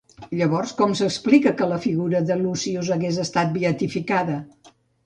Llavors, com s'explica que la figura de Lucius hagués estat beatificada?